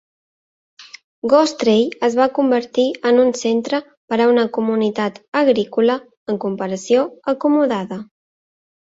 Goostrey es va convertir en un centre per a una comunitat agrícola, en comparació, acomodada.